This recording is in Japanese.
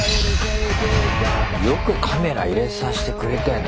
よくカメラ入れさせてくれたよね。